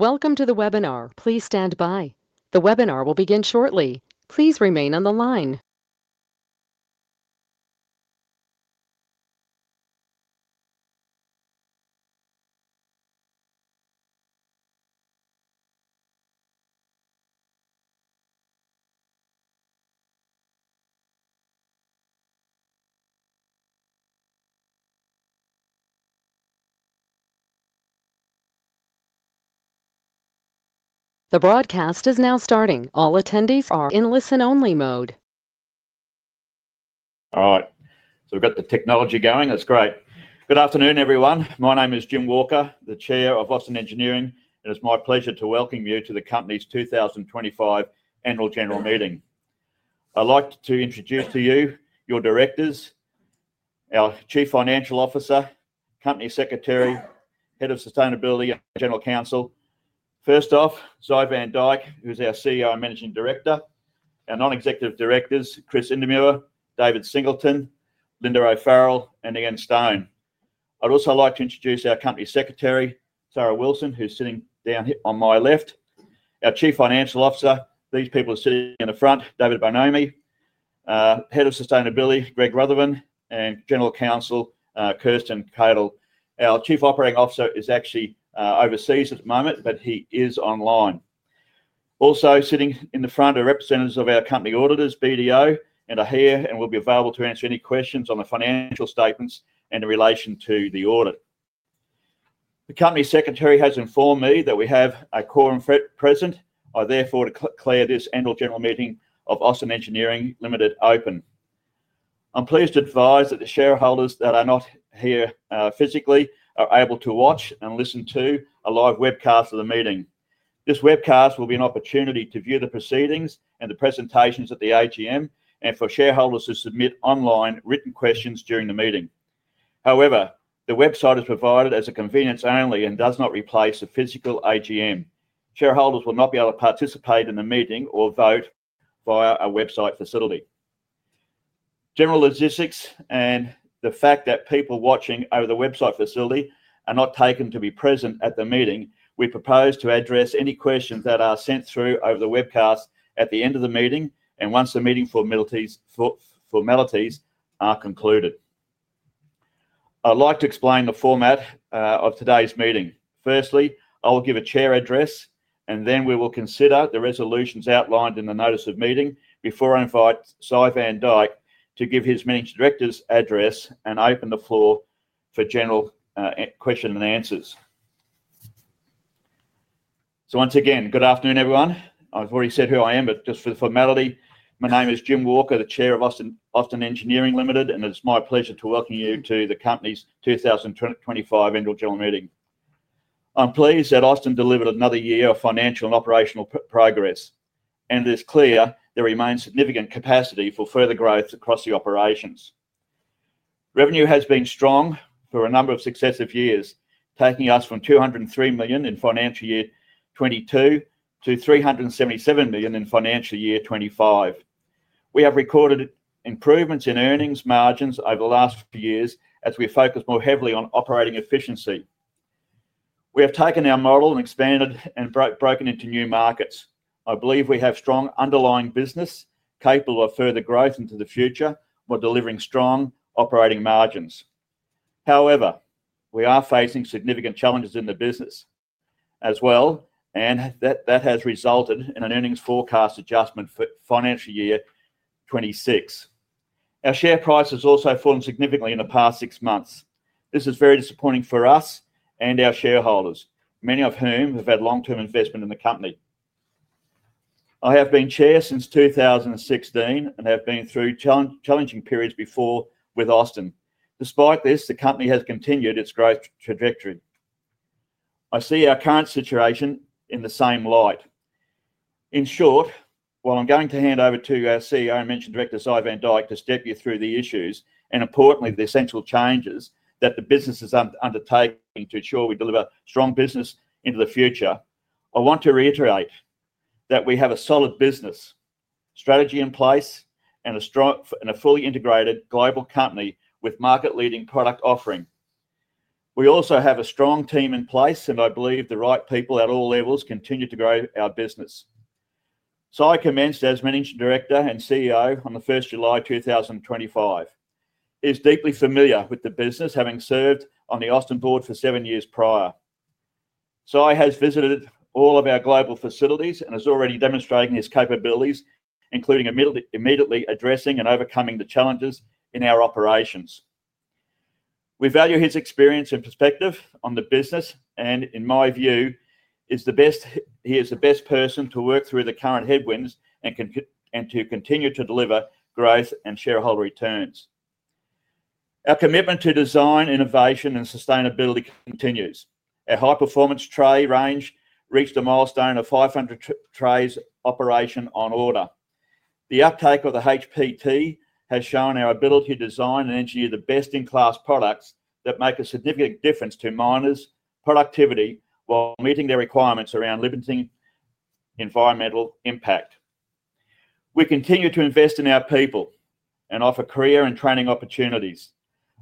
Welcome to the webinar. Please stand by. The webinar will begin shortly. Please remain on the line. The broadcast is now starting. All attendees are in listen-only mode. All right. So we've got the technology going. That's great. Good afternoon, everyone. My name is Jim Walker, the Chair of Austin Engineering, and it's my pleasure to welcome you to the company's 2025 annual general meeting. I'd like to introduce to you your directors. Our Chief Financial Officer, Company Secretary, Head of Sustainability, and General Counsel. First off, Sy van Dyk, who's our CEO and Managing Director. Our non-executive directors, Chris Indermaur, David Singleton, Linda O'Farrell, and Ian Stone. I'd also like to introduce our Company Secretary, Tara Wilson, who's sitting down on my left. Our Chief Financial Officer, these people are sitting in the front, David Bonomini. Head of Sustainability, Greg Rutherman, and General Counsel, Kirsten Cadle. Our Chief Operating Officer is actually overseas at the moment, but he is online. Also sitting in the front are representatives of our company auditors, BDO, and are here and will be available to answer any questions on the financial statements and in relation to the audit. The Company Secretary has informed me that we have a quorum present. I therefore declare this annual general meeting of Austin Engineering Limited open. I'm pleased to advise that the shareholders that are not here physically are able to watch and listen to a live webcast of the meeting. This webcast will be an opportunity to view the proceedings and the presentations at the AGM and for shareholders to submit online written questions during the meeting. However, the website is provided as a convenience only and does not replace a physical AGM. Shareholders will not be able to participate in the meeting or vote via a website facility. General logistics and the fact that people watching over the website facility are not taken to be present at the meeting, we propose to address any questions that are sent through over the webcast at the end of the meeting and once the meeting formalities are concluded. I'd like to explain the format of today's meeting. Firstly, I will give a Chair address, and then we will consider the resolutions outlined in the notice of meeting before I invite Sy van Dyk to give his Managing Director's address and open the floor for general questions and answers. Once again, good afternoon, everyone. I've already said who I am, but just for the formality, my name is Jim Walker, the Chair of Austin Engineering Limited, and it's my pleasure to welcome you to the company's 2025 annual general meeting. I'm pleased that Austin delivered another year of financial and operational progress, and it is clear there remains significant capacity for further growth across the operations. Revenue has been strong for a number of successive years, taking us from 203 million in financial year 2022 to 377 million in financial year 2025. We have recorded improvements in earnings margins over the last few years as we focus more heavily on operating efficiency. We have taken our model and expanded and broken into new markets. I believe we have strong underlying business capable of further growth into the future, while delivering strong operating margins. However, we are facing significant challenges in the business as well, and that has resulted in an earnings forecast adjustment for financial year 2026. Our share price has also fallen significantly in the past six months. This is very disappointing for us and our shareholders, many of whom have had long-term investment in the company. I have been Chair since 2016 and have been through challenging periods before with Austin. Despite this, the company has continued its growth trajectory. I see our current situation in the same light. In short, while I'm going to hand over to our CEO and Managing Director, Sy van Dyk, to step you through the issues and, importantly, the essential changes that the business is undertaking to ensure we deliver strong business into the future, I want to reiterate that we have a solid business strategy in place and a fully integrated global company with market-leading product offering. We also have a strong team in place, and I believe the right people at all levels continue to grow our business. Xi commenced as Managing Director and CEO on the 1st of July 2025. He is deeply familiar with the business, having served on the Austin board for seven years prior. Sy has visited all of our global facilities and is already demonstrating his capabilities, including immediately addressing and overcoming the challenges in our operations. We value his experience and perspective on the business, and in my view, he is the best person to work through the current headwinds and to continue to deliver growth and shareholder returns. Our commitment to design, innovation, and sustainability continues. Our high-performance tray range reached a milestone of 500 trays operating on order. The uptake of the HPT has shown our ability to design and engineer the best-in-class products that make a significant difference to miners' productivity while meeting their requirements around limiting environmental impact. We continue to invest in our people and offer career and training opportunities.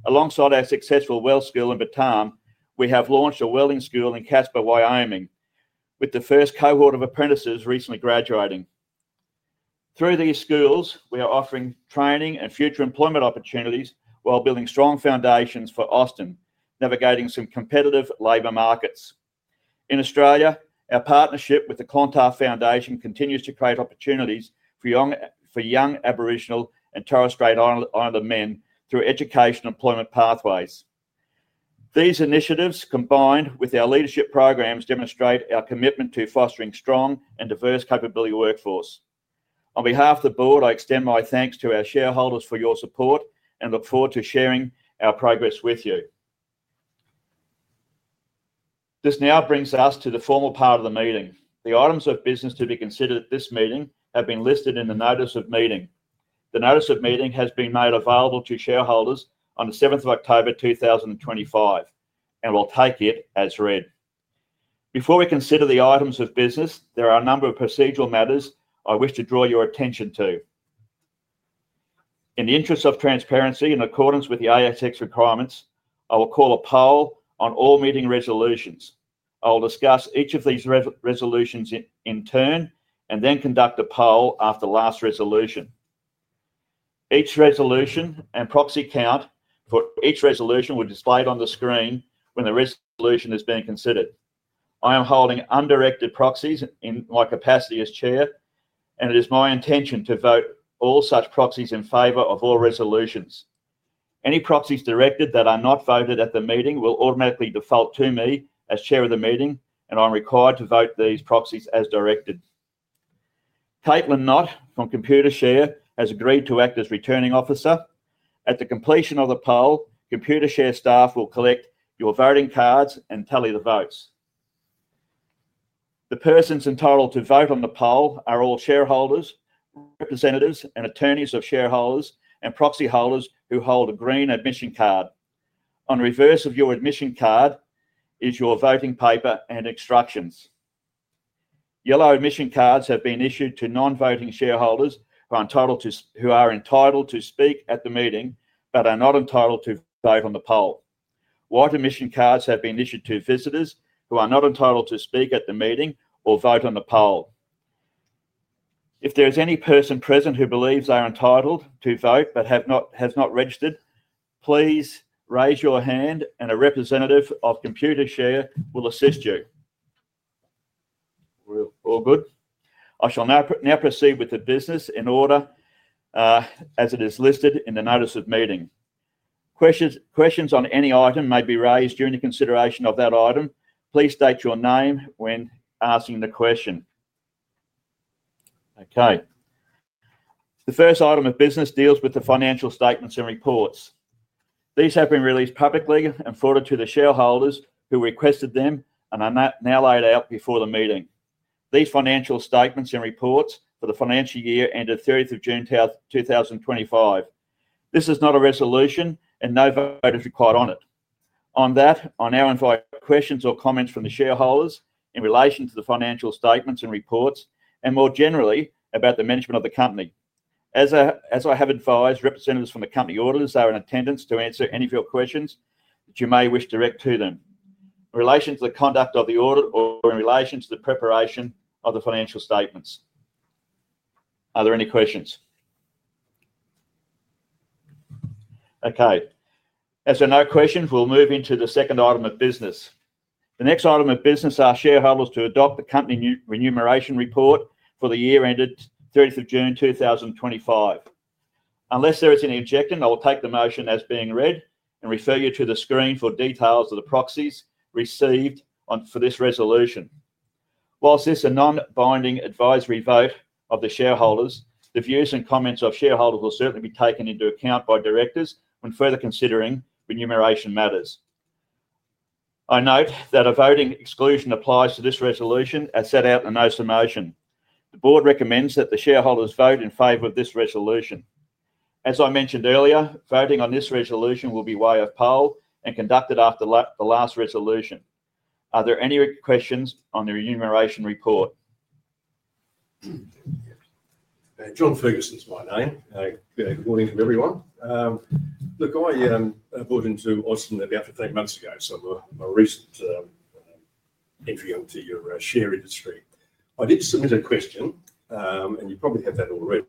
Alongside our successful weld school in Batam, we have launched a welding school in Casper, Wyoming, with the first cohort of apprentices recently graduating. Through these schools, we are offering training and future employment opportunities while building strong foundations for Austin, navigating some competitive labor markets. In Australia, our partnership with the Kontar Foundation continues to create opportunities for young Aboriginal and Torres Strait Islander men through education and employment pathways. These initiatives, combined with our leadership programs, demonstrate our commitment to fostering strong and diverse capability workforce. On behalf of the board, I extend my thanks to our shareholders for your support and look forward to sharing our progress with you. This now brings us to the formal part of the meeting. The items of business to be considered at this meeting have been listed in the notice of meeting. The notice of meeting has been made available to shareholders on the 7th of October 2025, and we'll take it as read. Before we consider the items of business, there are a number of procedural matters I wish to draw your attention to. In the interest of transparency and in accordance with the ASX requirements, I will call a poll on all meeting resolutions. I will discuss each of these resolutions in turn and then conduct a poll after the last resolution. Each resolution and proxy count for each resolution will be displayed on the screen when the resolution is being considered. I am holding undirected proxies in my capacity as Chair, and it is my intention to vote all such proxies in favor of all resolutions. Any proxies directed that are not voted at the meeting will automatically default to me as Chair of the meeting, and I'm required to vote these proxies as directed. Caitlin Knott from Computershare has agreed to act as returning officer. At the completion of the poll, Computershare staff will collect your voting cards and tally the votes. The persons entitled to vote on the poll are all shareholders, representatives, and attorneys of shareholders and proxy holders who hold a green admission card. On the reverse of your admission card is your voting paper and instructions. Yellow admission cards have been issued to non-voting shareholders who are entitled to speak at the meeting but are not entitled to vote on the poll. White admission cards have been issued to visitors who are not entitled to speak at the meeting or vote on the poll. If there is any person present who believes they are entitled to vote but has not registered, please raise your hand, and a representative of Computershare will assist you. All good. I shall now proceed with the business in order, as it is listed in the notice of meeting. Questions on any item may be raised during the consideration of that item. Please state your name when asking the question. Okay. The first item of business deals with the financial statements and reports. These have been released publicly and forwarded to the shareholders who requested them and are now laid out before the meeting. These are the financial statements and reports for the financial year ended 30th of June 2025. This is not a resolution, and no vote is required on it. On that, I now invite questions or comments from the shareholders in relation to the financial statements and reports, and more generally about the management of the company. As I have advised, representatives from the company auditors are in attendance to answer any of your questions that you may wish directed to them in relation to the conduct of the audit or in relation to the preparation of the financial statements. Are there any questions? Okay. As there are no questions, we'll move into the second item of business. The next item of business asks shareholders to adopt the company remuneration report for the year ended 30th of June 2025. Unless there is any objection, I will take the motion as being read and refer you to the screen for details of the proxies received for this resolution. Whilst this is a non-binding advisory vote of the shareholders, the views and comments of shareholders will certainly be taken into account by directors when further considering remuneration matters. I note that a voting exclusion applies to this resolution as set out in the notice of motion. The board recommends that the shareholders vote in favor of this resolution. As I mentioned earlier, voting on this resolution will be by way of poll and conducted after the last resolution. Are there any questions on the remuneration report? John Ferguson's my name. Good morning to everyone. Look, I bought into Austin about three months ago, so I'm a recent entry into your share industry. I did submit a question, and you probably have that already,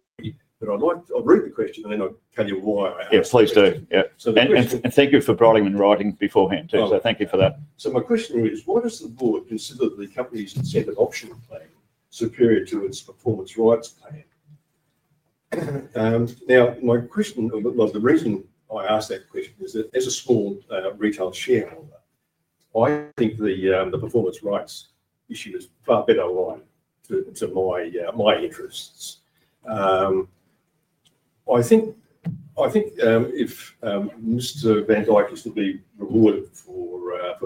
but I'll read the question, and then I'll tell you why I asked. Yes, please do. Yeah. Thank you for braving and writing beforehand too. Thank you for that. My question is, why does the board consider the company's incentive optional plan superior to its performance rights plan? The reason I ask that question is that as a small retail shareholder, I think the performance rights issue is far better aligned to my interests. I think if Mr. van Dyk is to be rewarded for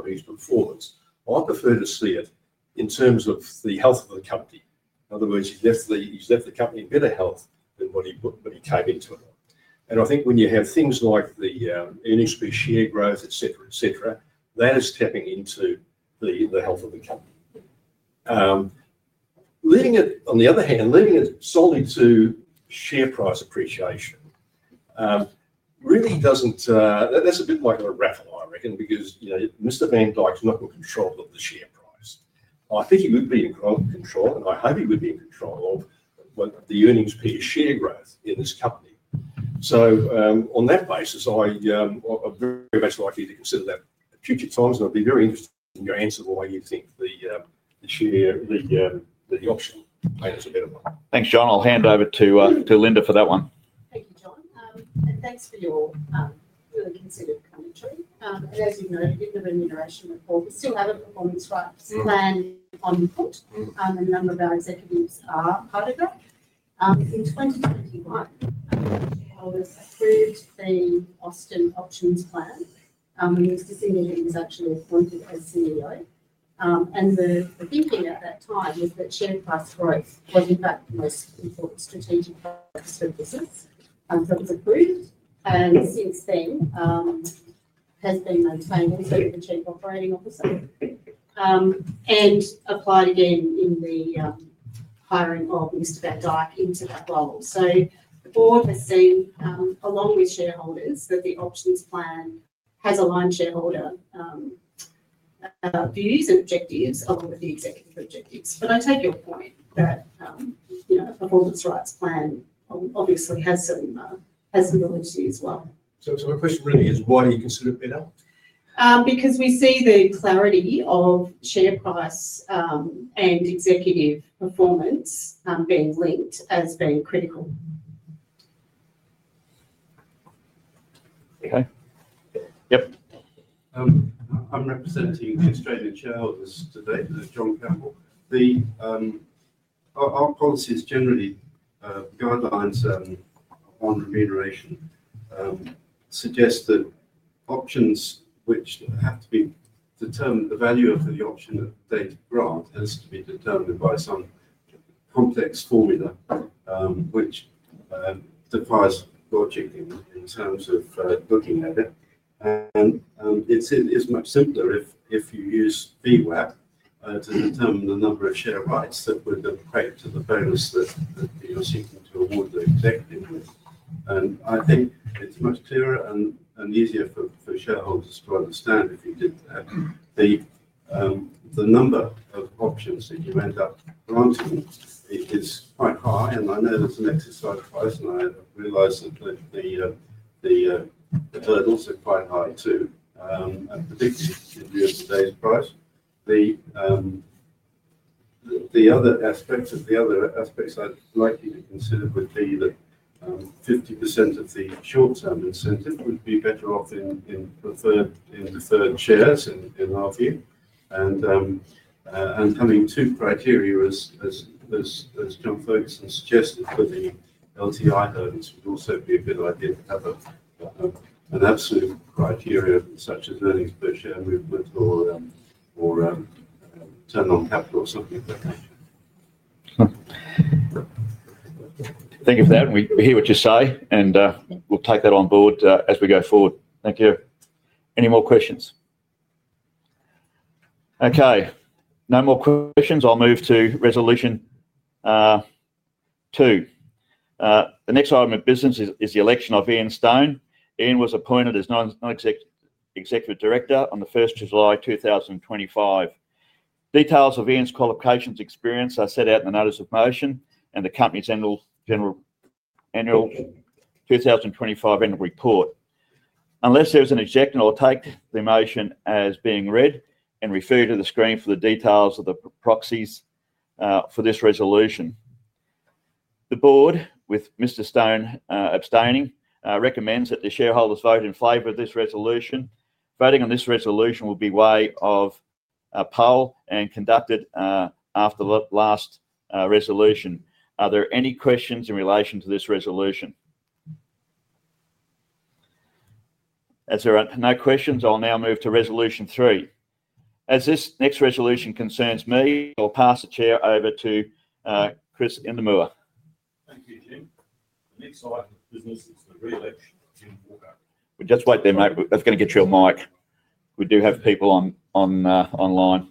his performance, I prefer to see it in terms of the health of the company. In other words, he's left the company in better health than when he came into it. I think when you have things like the earnings per share growth, etc., etc., that is tapping into the health of the company. On the other hand, leaving it solely to share price appreciation really doesn't—that's a bit like a raffle, I reckon, because Mr. van Dyk's not in control of the share price. I think he would be in control, and I hope he would be in control of the earnings per share growth in this company. On that basis, I'm very much likely to consider that at a future time, and I'd be very interested in your answer to why you think the share option plan is a better one. Thanks, John. I'll hand over to Linda for that one. Thank you, John. Thank you for your really considered coming through. As you've noted, in the remuneration report, we still have a performance rights plan on the front, and a number of our executives are part of that. In 2021, shareholders approved the Austin options plan. Mr. Singleton was actually appointed as CEO. The thinking at that time was that share price growth was, in fact, the most important strategic focus of business. It was approved, and since then, has been maintained also with the Chief Operating Officer, and applied again in the hiring of Mr. van Dyk into that role. The board has seen, along with shareholders, that the options plan has aligned shareholder views and objectives along with the executive objectives. I take your point that a performance rights plan obviously has some validity as well. My question really is, why do you consider it better? Because we see the clarity of share price and executive performance being linked as being critical. Okay. Yep. I'm representing Australian shareholders today, John Campbell. Our policies generally, guidelines on remuneration, suggest that options, which have to be determined, the value of the option that they grant has to be determined by some complex formula, which defies logic in terms of looking at it. It is much simpler if you use VWAP to determine the number of share rights that would equate to the bonus that you're seeking to award the executive with. I think it's much clearer and easier for shareholders to understand if you did that. The number of options that you end up granting is quite high, and I know there's an excess side price, and I realize that the burn is also quite high too, particularly in view of today's price. The other aspects, the other aspects I'd like you to consider would be that. 50% of the short-term incentive would be better off in preferred shares in our view. Coming to criteria, as John Ferguson suggested, for the LTI holdings would also be a good idea to have an absolute criteria, such as earnings per share movement or return on capital or something like that. Thank you for that. We hear what you say, and we'll take that on board as we go forward. Thank you. Any more questions? Okay. No more questions. I'll move to Resolution 2. The next item of business is the election of Ian Stone. Ian was appointed as Non-Executive Director on the 1st of July 2025. Details of Ian's qualifications and experience are set out in the notice of motion and the company's 2025 annual report. Unless there is an objection, I'll take the motion as being read and refer you to the screen for the details of the proxies for this resolution. The board, with Mr. Stone abstaining, recommends that the shareholders vote in favor of this resolution. Voting on this resolution will be by way of a poll and conducted after the last resolution. Are there any questions in relation to this resolution? As there are no questions, I'll now move to Resolution 3. As this next resolution concerns me, I'll pass the chair over to Chris Indermaur. We just wait there, mate. That's going to get you a mic. We do have people online.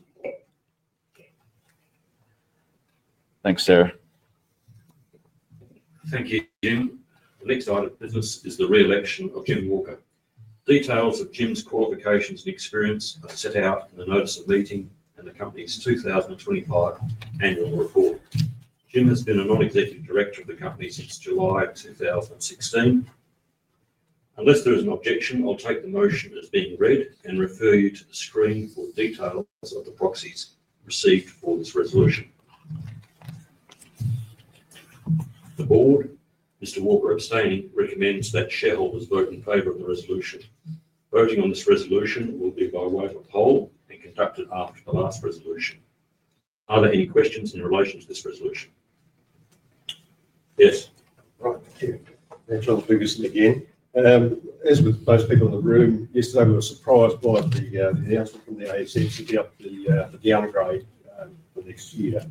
Thanks, Sarah. Thank you, Jim. The next item of business is the re-election of Jim Walker. Details of Jim's qualifications and experience are set out in the notice of meeting and the company's 2025 annual report. Jim has been a non-executive director of the company since July 2016. Unless there is an objection, I'll take the motion as being read and refer you to the screen for details of the proxies received for this resolution. The board, Mr. Walker abstaining, recommends that shareholders vote in favor of the resolution. Voting on this resolution will be by way of poll and conducted after the last resolution. Are there any questions in relation to this resolution? Yes. Right. Thank you, John Ferguson again. As with most people in the room, yesterday we were surprised by the announcement from the ASX to be up for the downgrade for next year.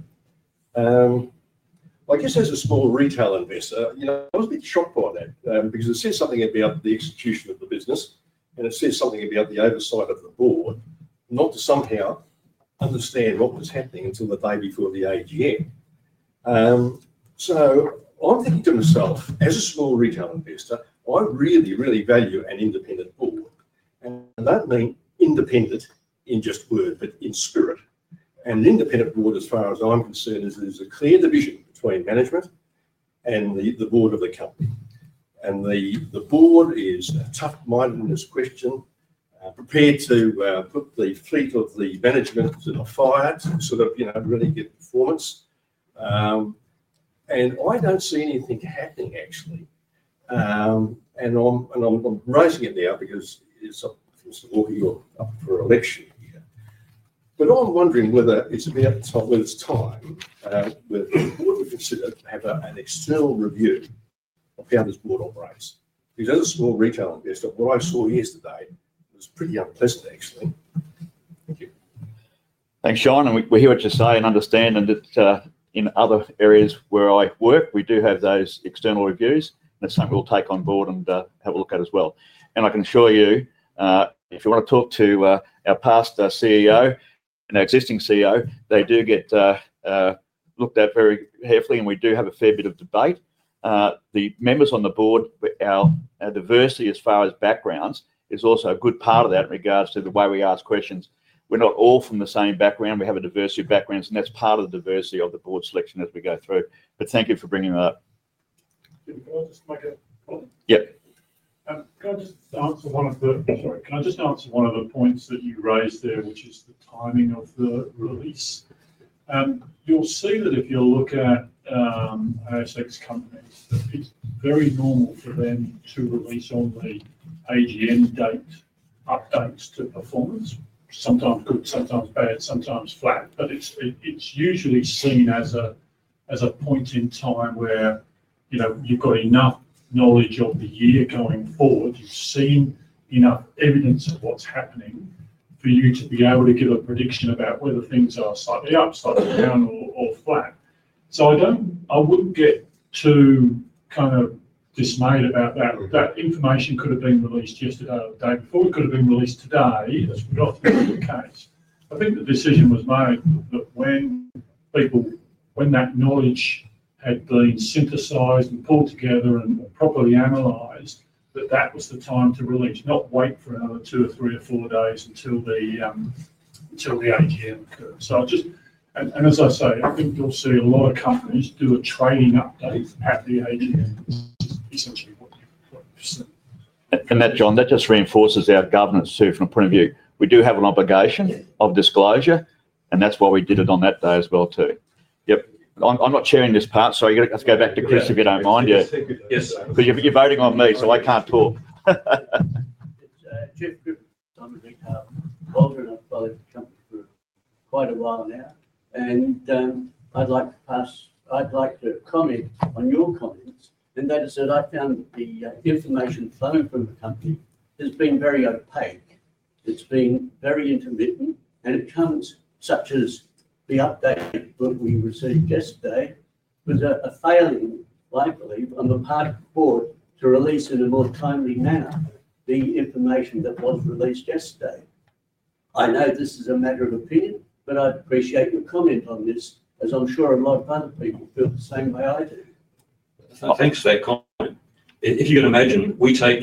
I guess as a small retail investor, I was a bit shocked by that because it says something about the execution of the business, and it says something about the oversight of the board, not to somehow understand what was happening until the day before the AGM. I am thinking to myself, as a small retail investor, I really, really value an independent board. I do not mean independent in just word, but in spirit. The independent board, as far as I am concerned, is a clear division between management and the board of the company. The board is a tough-mindedness question, prepared to put the fleet of the management to the fire to sort of really get performance. I do not see anything happening, actually. I am raising it now because it is Mr. Walker, you are up for election here. I am wondering whether it is about time that the board would consider to have an external review of how this board operates. Because as a small retail investor, what I saw yesterday was pretty unpleasant, actually. Thank you. Thanks, John. We hear what you say and understand. In other areas where I work, we do have those external reviews. It is something we'll take on board and have a look at as well. I can assure you, if you want to talk to our past CEO and our existing CEO, they do get looked at very carefully, and we do have a fair bit of debate. The members on the board, our diversity as far as backgrounds is also a good part of that in regards to the way we ask questions. We're not all from the same background. We have a diversity of backgrounds, and that's part of the diversity of the board selection as we go through. Thank you for bringing that up. Can I just make a comment? Yep. Can I just answer one of the—sorry. Can I just answer one of the points that you raised there, which is the timing of the release? You'll see that if you look at ASX companies, it's very normal for them to release on the AGM date updates to performance. Sometimes good, sometimes bad, sometimes flat. It's usually seen as a point in time where you've got enough knowledge of the year going forward. You've seen enough evidence of what's happening for you to be able to give a prediction about whether things are slightly up, slightly down, or flat. I wouldn't get too kind of dismayed about that. That information could have been released yesterday or the day before. It could have been released today, as would often be the case. I think the decision was made that when that knowledge had been synthesized and pulled together and properly analyzed, that that was the time to release, not wait for another two or three or four days until the AGM occurred. As I say, I think you'll see a lot of companies do a trading update at the AGM. That's essentially what you've seen. That, John, that just reinforces our governance too from a point of view. We do have an obligation of disclosure, and that's why we did it on that day as well too. Yep. I'm not sharing this part, so you've got to go back to Chris if you don't mind. Yes, sir. Because you're voting on me, so I can't talk. Jeff. Time in retail long enough, both companies for quite a while now. I’d like to comment on your comments. I found that the information flowing from the company has been very opaque. It’s been very intermittent, and it comes such as the update that we received yesterday was a failing, I believe, on the part of the board to release in a more timely manner the information that was released yesterday. I know this is a matter of opinion, but I’d appreciate your comment on this, as I’m sure a lot of other people feel the same way I do. I think it's fair comment. If you can imagine, we take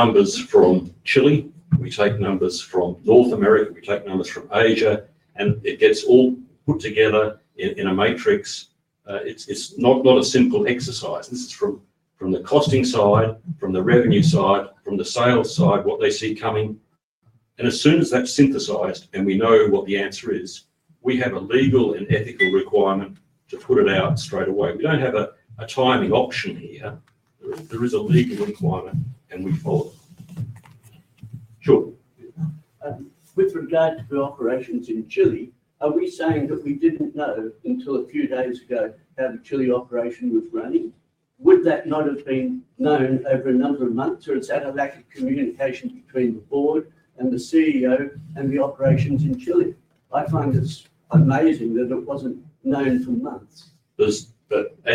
numbers from Chile. We take numbers from North America. We take numbers from Asia, and it gets all put together in a matrix. It's not a simple exercise. This is from the costing side, from the revenue side, from the sales side, what they see coming. As soon as that's synthesized and we know what the answer is, we have a legal and ethical requirement to put it out straight away. We don't have a timing option here. There is a legal requirement, and we follow it. Sure. With regard to the operations in Chile, are we saying that we did not know until a few days ago how the Chile operation was running? Would that not have been known over a number of months, or is that a lack of communication between the board and the CEO and the operations in Chile? I find it is amazing that it was not known for months. As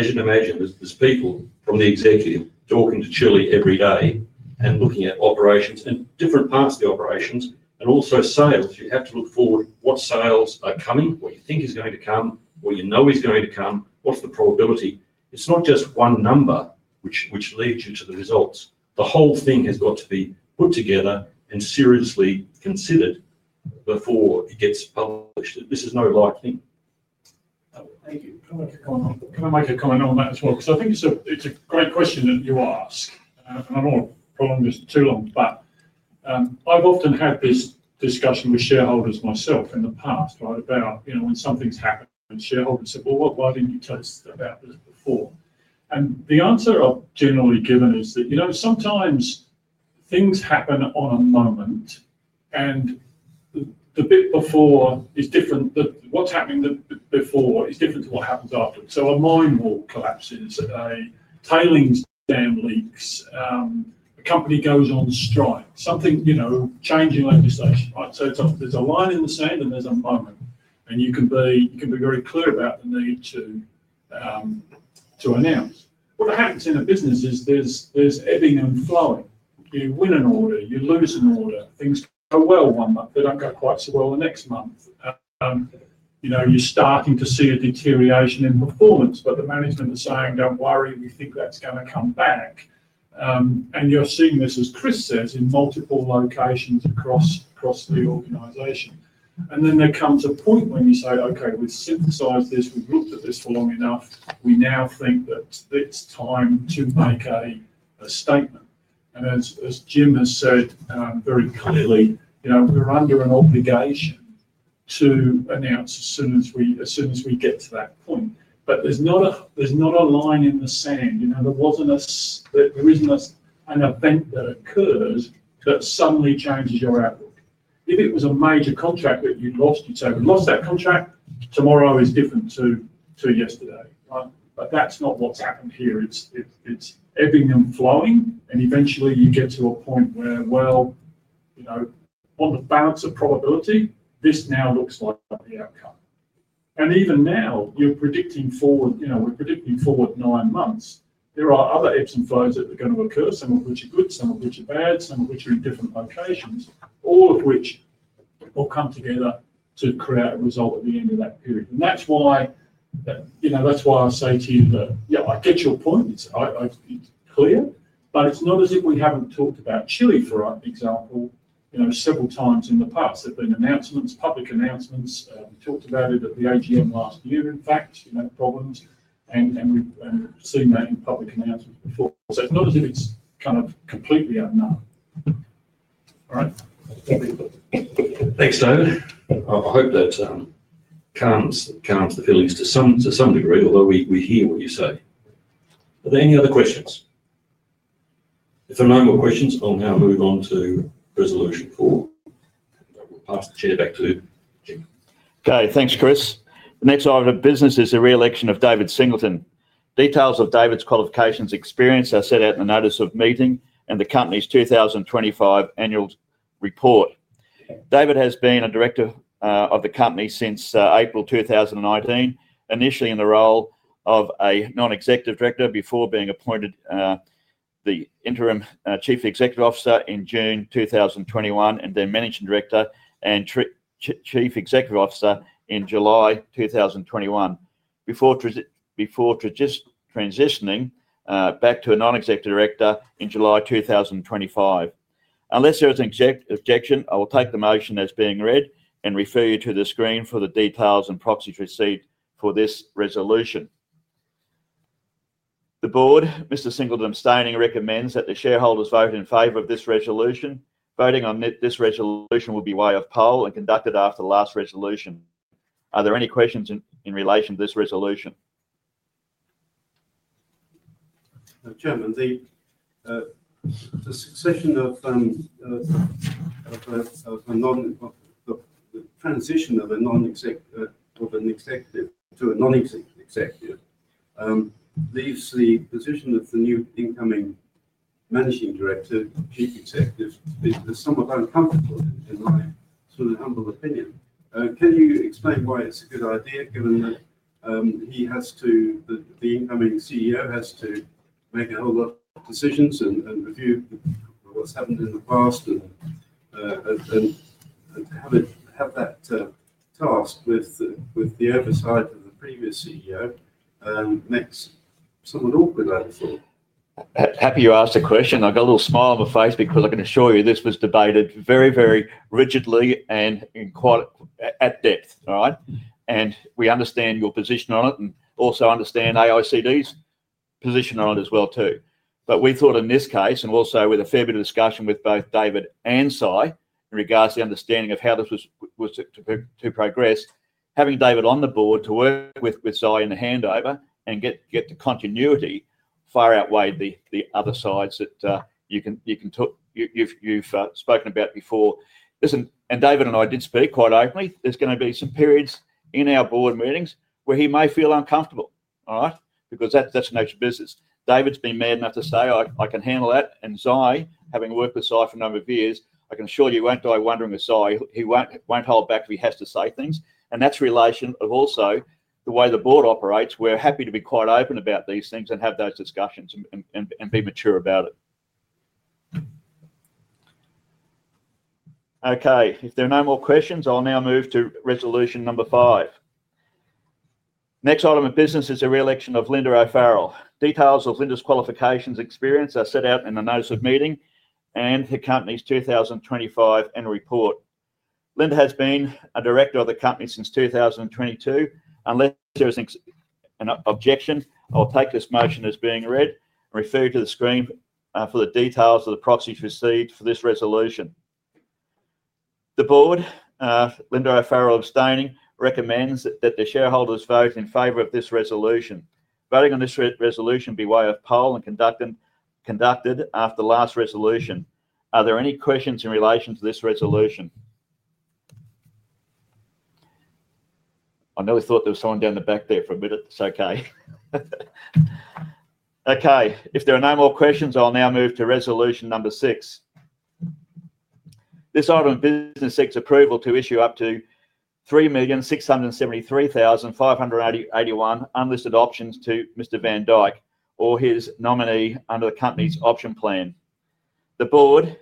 you can imagine, there's people from the executive talking to Chile every day and looking at operations and different parts of the operations and also sales. You have to look forward to what sales are coming, what you think is going to come, what you know is going to come, what's the probability. It's not just one number which leads you to the results. The whole thing has got to be put together and seriously considered before it gets published. This is no light thing. Thank you. Can I make a comment on that as well? Because I think it's a great question that you ask, and I don't want to prolong this too long, but I've often had this discussion with shareholders myself in the past, right, about when something's happened and shareholders say, "Why didn't you tell us about this before?" The answer I've generally given is that sometimes things happen on a moment, and the bit before is different. What's happening before is different to what happens afterwards. A mine wall collapses, a tailing dam leaks, a company goes on strike, something changing legislation, right? There's a line in the sand and there's a moment, and you can be very clear about the need to announce. What happens in a business is there's ebbing and flowing. You win an order, you lose an order. Things go well one month. They don't go quite so well the next month. You're starting to see a deterioration in performance, but the management is saying, "Don't worry. We think that's going to come back." You're seeing this, as Chris says, in multiple locations across the organization. There comes a point when you say, "Okay, we've synthesized this. We've looked at this for long enough. We now think that it's time to make a statement." As Jim has said very clearly, we're under an obligation to announce as soon as we get to that point. There's not a line in the sand. There isn't an event that occurs that suddenly changes your outlook. If it was a major contract that you'd lost, you'd say, "We lost that contract. Tomorrow is different to yesterday," right? That's not what's happened here. It's ebbing and flowing, and eventually, you get to a point where, well, on the balance of probability, this now looks like the outcome. Even now, you're predicting forward. We're predicting forward nine months. There are other ebbs and flows that are going to occur, some of which are good, some of which are bad, some of which are in different locations, all of which will come together to create a result at the end of that period. That's why I say to you that, yeah, I get your point. It's clear, but it's not as if we haven't talked about Chile, for example, several times in the past. There have been announcements, public announcements. We talked about it at the AGM last year, in fact, about problems, and we've seen that in public announcements before. It's not as if it's kind of completely unknown. All right? Thanks, David. I hope that calms the feelings to some degree, although we hear what you say. Are there any other questions? If there are no more questions, I'll now move on to Resolution 4. We'll pass the chair back to Jim. Okay. Thanks, Chris. The next item of business is the re-election of David Singleton. Details of David's qualifications, experience are set out in the notice of meeting and the company's 2025 annual report. David has been a director of the company since April 2019, initially in the role of a non-executive director before being appointed the interim Chief Executive Officer in June 2021, and then Managing Director and Chief Executive Officer in July 2021, before transitioning back to a non-executive director in July 2025. Unless there is an objection, I will take the motion as being read and refer you to the screen for the details and proxies received for this resolution. The board, Mr. Singleton abstaining, recommends that the shareholders vote in favor of this resolution. Voting on this resolution will be by way of poll and conducted after the last resolution. Are there any questions in relation to this resolution? Chairman, the succession of the transition of an executive to a non-executive leaves the position of the new incoming Managing Director, Chief Executive, somewhat uncomfortable in my sort of humble opinion. Can you explain why it's a good idea, given that the incoming CEO has to make a whole lot of decisions and review what's happened in the past and to have that task with the oversight of the previous CEO makes somewhat awkward, I thought. Happy you asked the question. I've got a little smile on my face because I can assure you this was debated very, very rigidly and at depth, all right? We understand your position on it and also understand AICD's position on it as well too. We thought in this case, and also with a fair bit of discussion with both David and Sai in regards to the understanding of how this was to progress, having David on the board to work with Sai in the handover and get the continuity far outweighed the other sides that you've spoken about before. David and I did speak quite openly. There's going to be some periods in our board meetings where he may feel uncomfortable, all right? Because that's nature of business. David's been mad enough to say, "I can handle that." Sai, having worked with Sai for a number of years, I can assure you he won't go wandering with Sai. He won't hold back if he has to say things. That is a relation of also the way the board operates. We're happy to be quite open about these things and have those discussions and be mature about it. Okay. If there are no more questions, I'll now move to resolution number five. The next item of business is the re-election of Linda O'Farrell. Details of Linda's qualifications and experience are set out in the notice of meeting and the company's 2025 annual report. Linda has been a director of the company since 2022. Unless there is an objection, I'll take this motion as being read and refer you to the screen for the details of the proxies received for this resolution. The board, Linda O'Farrell abstaining, recommends that the shareholders vote in favor of this resolution. Voting on this resolution will be by way of poll and conducted after the last resolution. Are there any questions in relation to this resolution? I nearly thought there was someone down the back there for a minute. It's okay. Okay. If there are no more questions, I'll now move to resolution number six. This item of business seeks approval to issue up to 3,673,581 unlisted options to Mr. van Dyk or his nominee under the company's option plan. The board,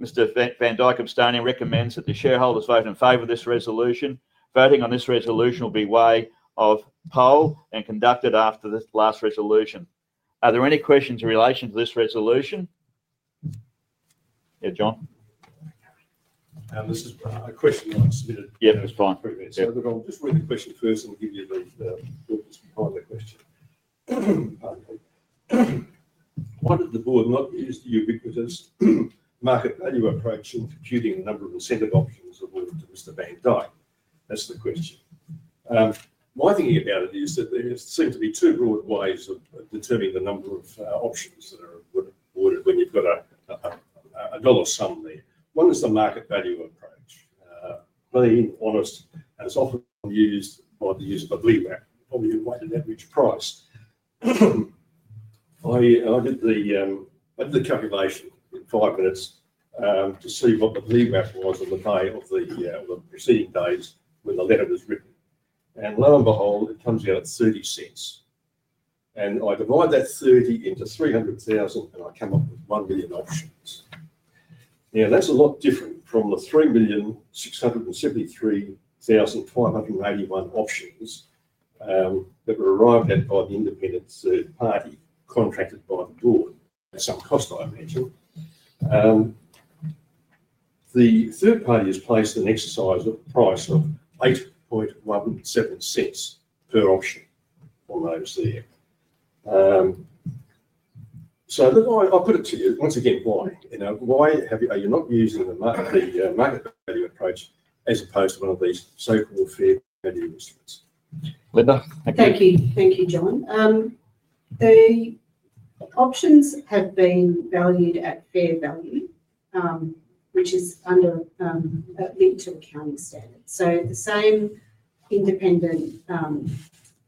Mr. van Dyk abstaining, recommends that the shareholders vote in favor of this resolution. Voting on this resolution will be by way of poll and conducted after the last resolution. Are there any questions in relation to this resolution? Yeah, John. This is a question I submitted. Yeah, that's fine. I'll just read the question first, and I'll give you the question. Why did the board not use the ubiquitous market value approach in computing the number of incentive options awarded to Mr. van Dyk? That's the question. My thinking about it is that there seem to be two broad ways of determining the number of options that are awarded when you've got a dollar sum there. One is the market value approach. Clean, honest, and it's often used by the user of the VWAP. Probably quite an average price. I did the calculation in five minutes to see what the VWAP was on the day of the preceding days when the letter was written. And lo and behold, it comes out at 0.30. And I divide that 0.30 into 300,000, and I come up with 1 million options. Now, that's a lot different from the 3,673,581 options. That were arrived at by the independent third party contracted by the board. At some cost, I imagine. The third party has placed an exercise price of 0.0817 per option on those there. So I'll put it to you. Once again, why? Why are you not using the market value approach as opposed to one of these so-called fair value instruments? Linda, thank you. Thank you. Thank you, John. The options have been valued at fair value, which is linked to accounting standards. The same independent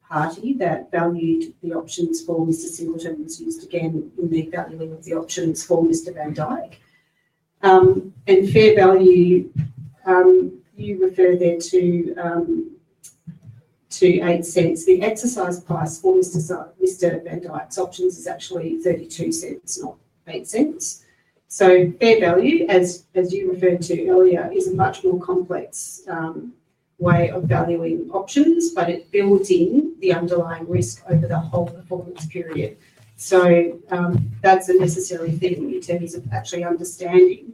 party that valued the options for Mr. Singleton was used again in the valuing of the options for Mr. van Dyk. Fair value, you refer there to 0.08. The exercise price for Mr. van Dyk's options is actually, not 0.08. Fair value, as you referred to earlier, is a much more complex way of valuing options, but it builds in the underlying risk over the whole performance period. That is a necessary thing in terms of actually understanding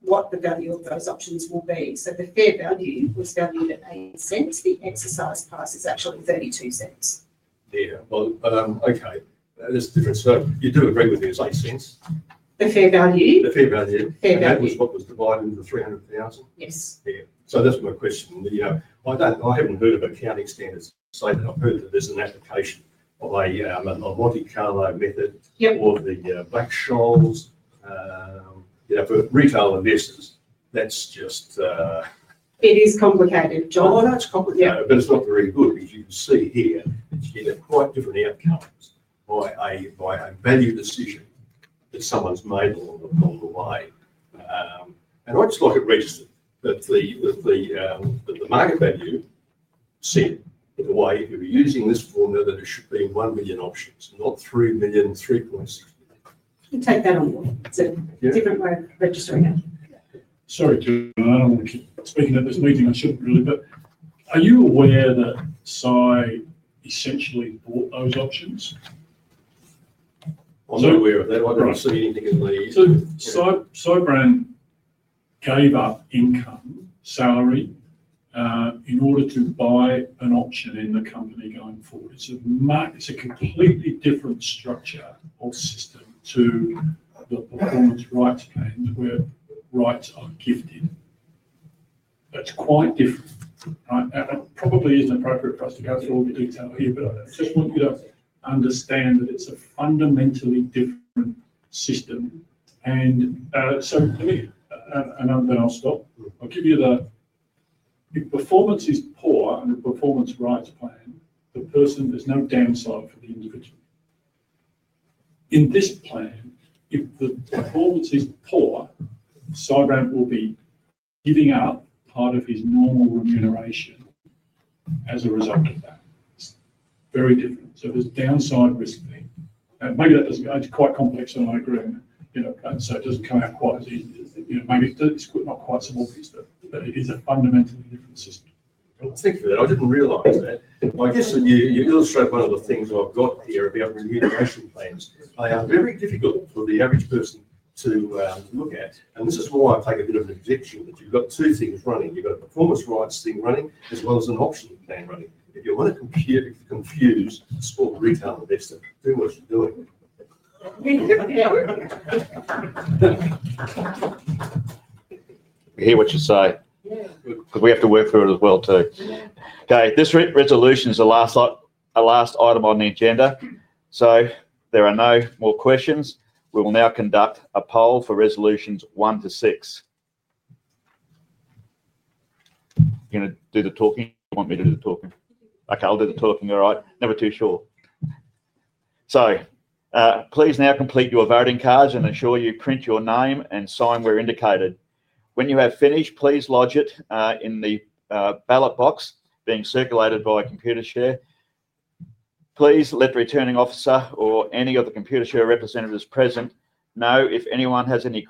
what the value of those options will be. The fair value was valued at 0.08. The exercise price is actually 0.32. Yeah. Okay. There's a difference. So you do agree with me. It's 0.08. The fair value. The fair value. Fair value. That was what was divided into 300,000? Yes. Yeah. So that's my question. I haven't heard of accounting standards. I've heard that there's an application of a Monte Carlo method or the Black-Scholes. For retail investors, that's just. It is complicated, John. Oh, that's complicated. Yeah. It is not very good because you can see here it's getting quite different outcomes by a value decision that someone's made along the way. I just like it registered that the market value percent in the way if you're using this formula that it should be 1 million options, not 3.6 million. I'll take that on board. It's a different way of registering it. Sorry, John. I don't want to keep speaking at this meeting. I shouldn't really, but are you aware that Sy essentially bought those options? I'm not aware of that. I didn't see anything in there. Sibrand gave up income, salary, in order to buy an option in the company going forward. It's a completely different structure or system to the performance rights plan where rights are gifted. That's quite different. It probably isn't appropriate for us to go through all the detail here, but I just want you to understand that it's a fundamentally different system. If performance is poor in the performance rights plan, there's no downside for the individual. In this plan, if the performance is poor, Sibrand will be giving up part of his normal remuneration as a result of that. It's very different. So there's downside risk there. Maybe that's quite complex, and I agree. It doesn't come out quite as easy. Maybe it's not quite so obvious, but it is a fundamentally different system. Thank you for that. I didn't realize that. Like you said, you illustrate one of the things I've got here about remuneration plans. They are very difficult for the average person to look at. This is why I take a bit of an objection that you've got two things running. You've got a performance rights thing running as well as an option plan running. If you want to confuse a small retail investor, do what you're doing. We hear what you say. Because we have to work through it as well, too. Okay. This resolution is the last item on the agenda. So there are no more questions. We will now conduct a poll for resolutions one to six. You're going to do the talking? You want me to do the talking? Okay. I'll do the talking, all right? Never too sure. Please now complete your voting cards and ensure you print your name and sign where indicated. When you have finished, please lodge it in the ballot box being circulated by Computershare. Please let the returning officer or any other Computershare representatives present know if anyone has any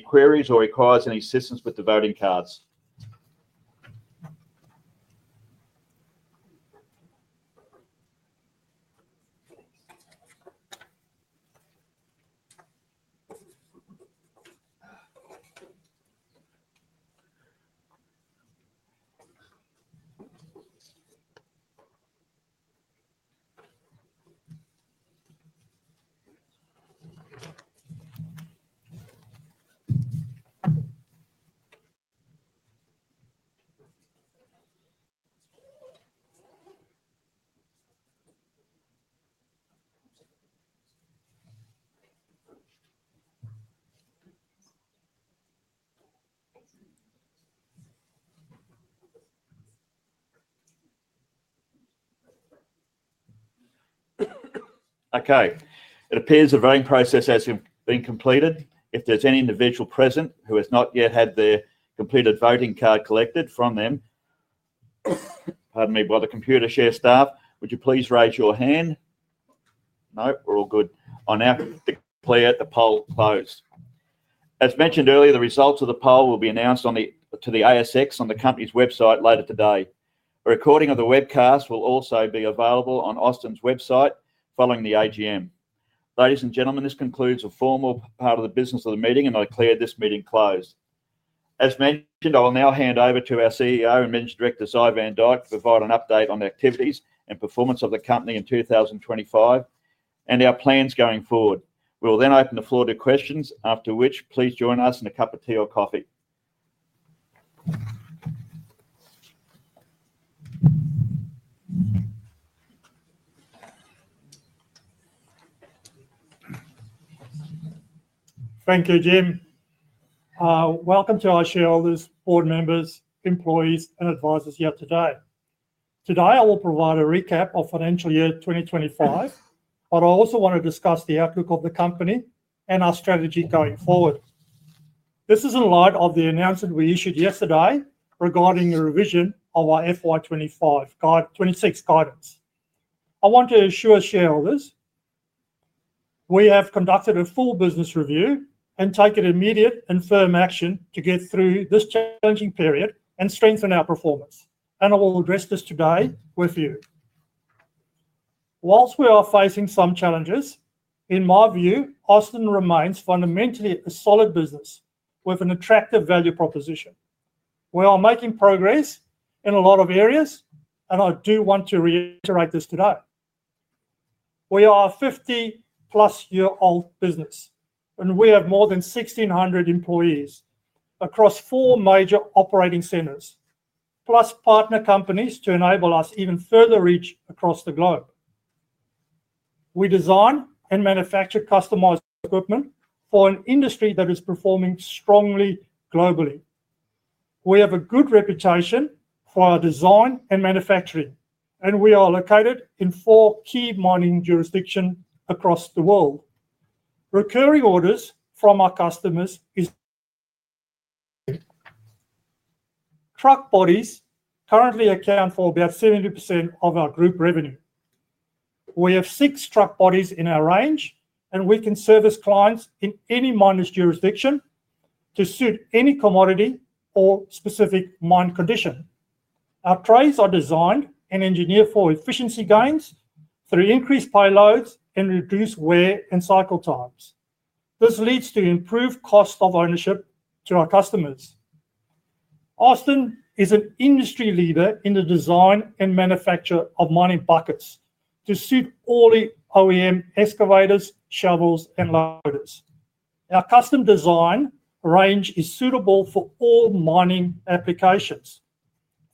queries or requires any assistance with the voting cards. Okay. It appears the voting process has been completed. If there's any individual present who has not yet had their completed voting card collected from them, pardon me, by the Computershare staff, would you please raise your hand? No, we're all good. I now declare the poll closed. As mentioned earlier, the results of the poll will be announced to the ASX on the company's website later today. A recording of the webcast will also be available on Austin's website following the AGM. Ladies and gentlemen, this concludes the formal part of the business of the meeting, and I declare this meeting closed. As mentioned, I will now hand over to our CEO and Managing Director, Sy van Dyk, to provide an update on the activities and performance of the company in 2025 and our plans going forward. We will then open the floor to questions, after which please join us in a cup of tea or coffee. Thank you, Jim. Welcome to our shareholders, board members, employees, and advisors here today. Today, I will provide a recap of financial year 2025, but I also want to discuss the outlook of the company and our strategy going forward. This is in light of the announcement we issued yesterday regarding the revision of our FY 2025-FY 2026 guidance. I want to assure shareholders we have conducted a full business review and taken immediate and firm action to get through this challenging period and strengthen our performance. I will address this today with you. Whilst we are facing some challenges, in my view, Austin remains fundamentally a solid business with an attractive value proposition. We are making progress in a lot of areas, and I do want to reiterate this today. We are a 50+ year-old business. We have more than 1,600 employees across four major operating centers, plus partner companies to enable us to even further reach across the globe. We design and manufacture customized equipment for an industry that is performing strongly globally. We have a good reputation for our design and manufacturing, and we are located in four key mining jurisdictions across the world. Recurring orders from our customers is. Truck bodies currently account for about 70% of our group revenue. We have six truck bodies in our range, and we can service clients in any miner's jurisdiction to suit any commodity or specific mine condition. Our trays are designed and engineered for efficiency gains through increased payloads and reduced wear and cycle times. This leads to improved cost of ownership to our customers. Austin is an industry leader in the design and manufacture of mining buckets to suit all OEM excavators, shovels, and loaders. Our custom design range is suitable for all mining applications,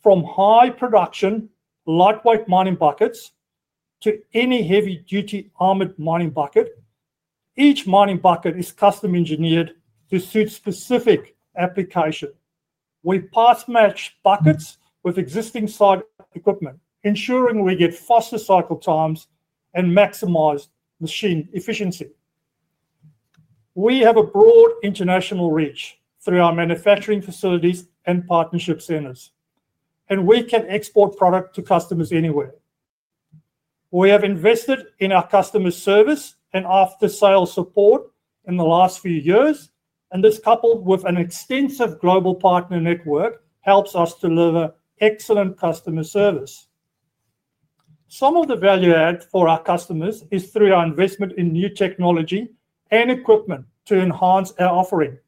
from high-production, lightweight mining buckets to any heavy-duty armored mining bucket. Each mining bucket is custom-engineered to suit specific applications. We parts-match buckets with existing site equipment, ensuring we get faster cycle times and maximize machine efficiency. We have a broad international reach through our manufacturing facilities and partnership centers, and we can export product to customers anywhere. We have invested in our customer service and after-sale support in the last few years, and this is coupled with an extensive global partner network that helps us deliver excellent customer service. Some of the value add for our customers is through our investment in new technology and equipment to enhance our offering.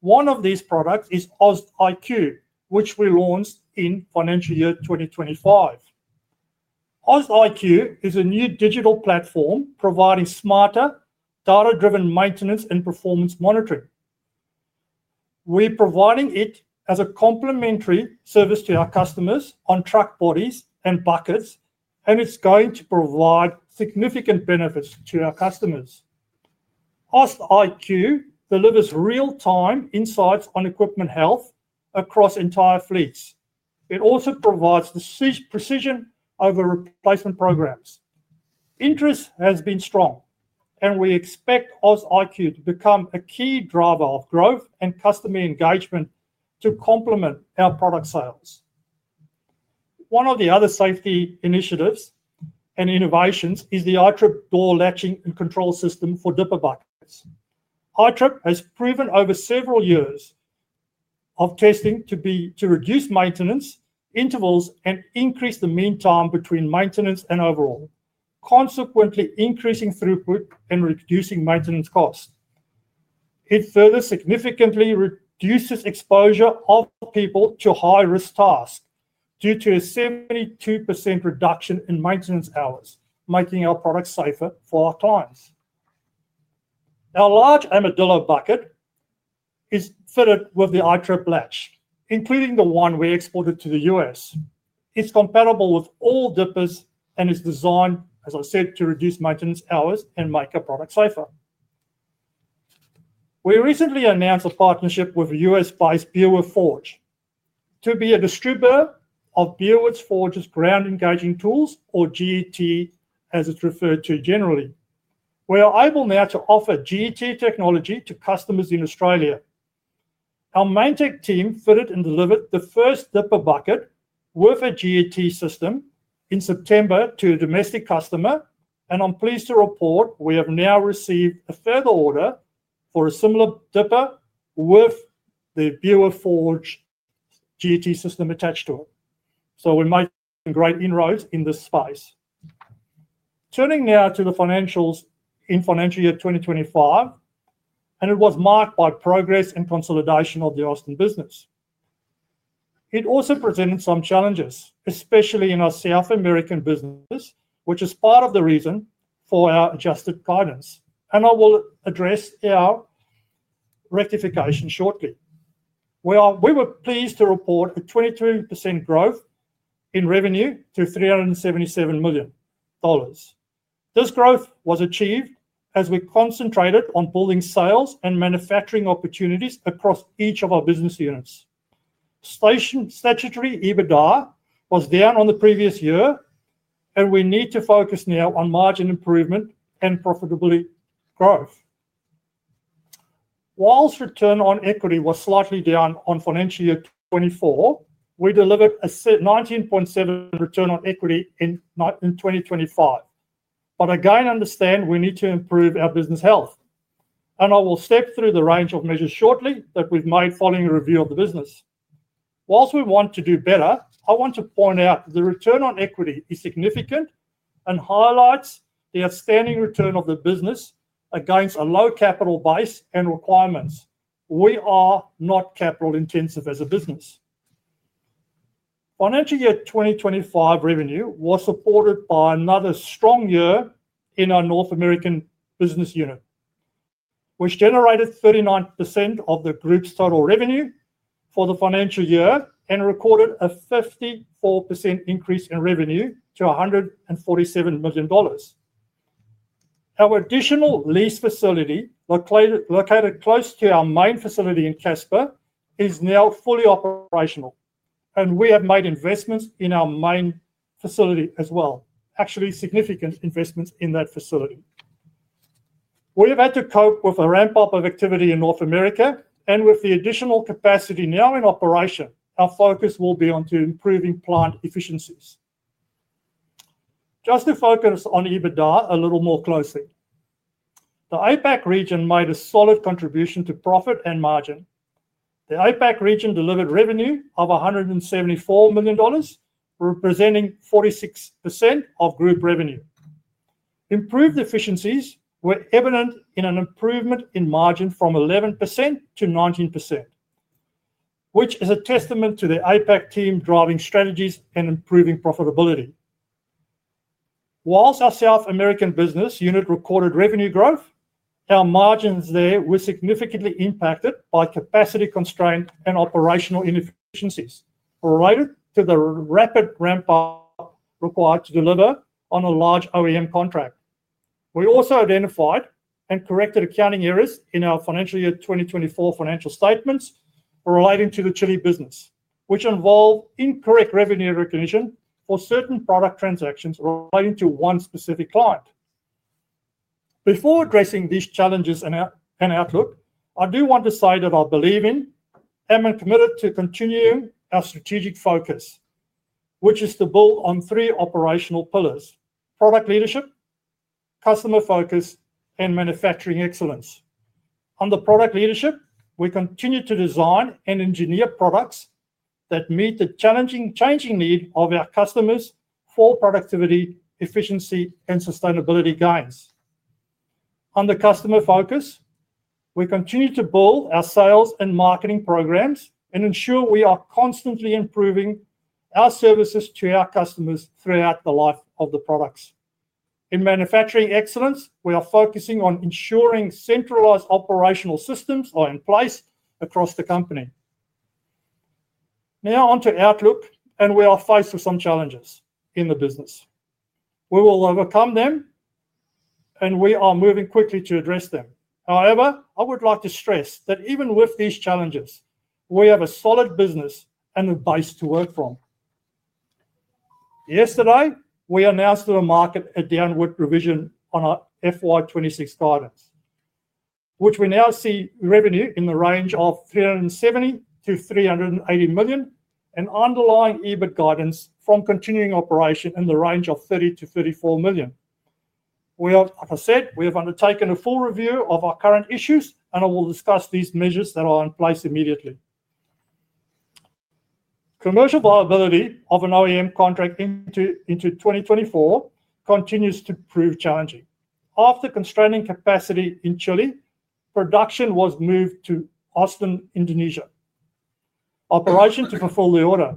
One of these products is austIQ, which we launched in financial year 2025. austIQ is a new digital platform providing smarter, data-driven maintenance and performance monitoring. We are providing it as a complementary service to our customers on truck bodies and buckets, and it's going to provide significant benefits to our customers. austIQ delivers real-time insights on equipment health across entire fleets. It also provides precision over replacement programs. Interest has been strong, and we expect austIQ to become a key driver of growth and customer engagement to complement our product sales. One of the other safety initiatives and innovations is the iTrip door latching and control system for dipper buckets. iTrip has proven over several years of testing to reduce maintenance intervals and increase the mean time between maintenance and overall, consequently increasing throughput and reducing maintenance costs. It further significantly reduces exposure of people to high-risk tasks due to a 72% reduction in maintenance hours, making our product safer for our clients. Our large Armadillo bucket is fitted with the iTrip latch, including the one we exported to the U.S. It's compatible with all dippers and is designed, as I said, to reduce maintenance hours and make our product safer. We recently announced a partnership with US-based Bierwith Forge to be a distributor of Bierwith Forge's ground engaging tools, or GET, as it's referred to generally. We are able now to offer GET technology to customers in Australia. Our Mantec team fitted and delivered the first dipper bucket with a GET system in September to a domestic customer, and I'm pleased to report we have now received a further order for a similar dipper with the Bierwith Forge GET system attached to it. We're making great inroads in this space. Turning now to the financials in financial year 2025. It was marked by progress and consolidation of the Austin business. It also presented some challenges, especially in our South American business, which is part of the reason for our adjusted guidance. I will address our rectification shortly. We were pleased to report a 22% growth in revenue to 377 million dollars. This growth was achieved as we concentrated on building sales and manufacturing opportunities across each of our business units. Statutory EBITDA was down on the previous year, and we need to focus now on margin improvement and profitability growth. Whilst return on equity was slightly down on financial year 2024, we delivered a 19.7% return on equity in 2025. I again understand we need to improve our business health. I will step through the range of measures shortly that we've made following a review of the business. Whilst we want to do better, I want to point out that the return on equity is significant and highlights the outstanding return of the business against a low capital base and requirements. We are not capital-intensive as a business. Financial year 2025 revenue was supported by another strong year in our North American business unit, which generated 39% of the group's total revenue for the financial year and recorded a 54% increase in revenue to 147 million dollars. Our additional lease facility located close to our main facility in Casper is now fully operational, and we have made investments in our main facility as well, actually significant investments in that facility. We have had to cope with a ramp-up of activity in North America, and with the additional capacity now in operation, our focus will be on improving plant efficiencies. Just to focus on EBITDA a little more closely. The APAC region made a solid contribution to profit and margin. The APAC region delivered revenue of 174 million dollars, representing 46% of group revenue. Improved efficiencies were evident in an improvement in margin from 11%-19%, which is a testament to the APAC team driving strategies and improving profitability. Whilst our South American business unit recorded revenue growth, our margins there were significantly impacted by capacity constraints and operational inefficiencies related to the rapid ramp-up required to deliver on a large OEM contract. We also identified and corrected accounting errors in our financial year 2024 financial statements relating to the Chile business, which involved incorrect revenue recognition for certain product transactions relating to one specific client. Before addressing these challenges and outlook, I do want to say that I believe in and am committed to continuing our strategic focus, which is to build on three operational pillars: product leadership, customer focus, and manufacturing excellence. Under product leadership, we continue to design and engineer products that meet the changing need of our customers for productivity, efficiency, and sustainability gains. Under customer focus, we continue to build our sales and marketing programs and ensure we are constantly improving our services to our customers throughout the life of the products. In manufacturing excellence, we are focusing on ensuring centralized operational systems are in place across the company. Now on to outlook, and we are faced with some challenges in the business. We will overcome them, and we are moving quickly to address them. However, I would like to stress that even with these challenges, we have a solid business and a base to work from. Yesterday, we announced to the market a downward revision on our FY 2026 guidance. We now see revenue in the range of 370 million-380 million and underlying EBIT guidance from continuing operation in the range of 30 million-34 million. As I said, we have undertaken a full review of our current issues, and I will discuss these measures that are in place immediately. Commercial viability of an OEM contract into 2024 continues to prove challenging. After constraining capacity in Chile, production was moved to Austin, Indonesia, operation to fulfill the order.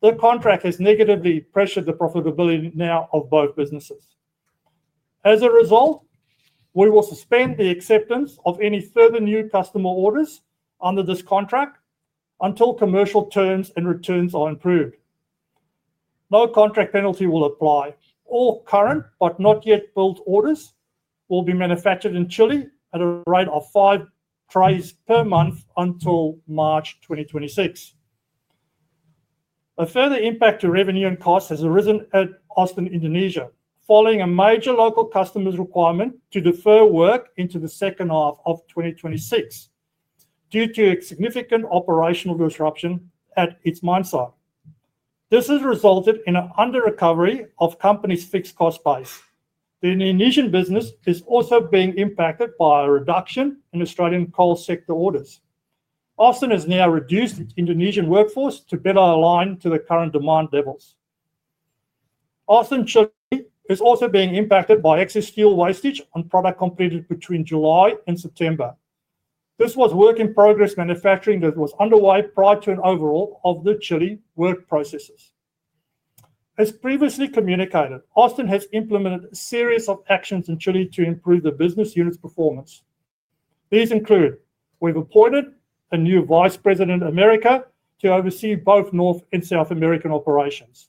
The contract has negatively pressured the profitability now of both businesses. As a result, we will suspend the acceptance of any further new customer orders under this contract until commercial terms and returns are improved. No contract penalty will apply. All current, but not yet billed orders will be manufactured in Chile at a rate of five trays per month until March 2026. A further impact to revenue and cost has arisen at Austin, Indonesia, following a major local customer's requirement to defer work into the second half of 2026 due to significant operational disruption at its mine site. This has resulted in an under-recovery of the company's fixed cost base. The Indonesian business is also being impacted by a reduction in Australian coal sector orders. Austin has now reduced its Indonesian workforce to better align to the current demand levels. Austin, Chile is also being impacted by excess fuel wastage on product completed between July and September. This was work in progress manufacturing that was underway prior to an overhaul of the Chile work processes. As previously communicated, Austin has implemented a series of actions in Chile to improve the business unit's performance. These include we've appointed a new Vice President of America to oversee both North and South American operations.